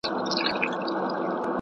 روایتي ملنګان